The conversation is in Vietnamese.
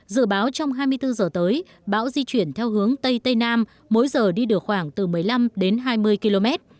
dự báo trong hai mươi bốn giờ tới bão di chuyển theo hướng tây tây nam mỗi giờ đi được khoảng từ một mươi năm đến hai mươi km